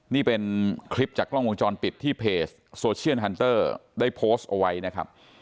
นี่เป็นคลิปจากกล้องวงจรปิดที่เพจโซเชียลฮันเตอร์ได้โพสต์เอาไว้นะครับ